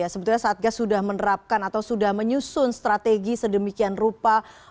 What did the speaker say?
sebetulnya satgas sudah menerapkan atau sudah menyusun strategi sedemikian rupa